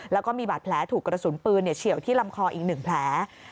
แล้วก็มีบาดแผลถูกกระสุนปืนเฉียวที่ลำคออีก๑แผล